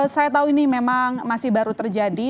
saya tahu ini memang masih baru terjadi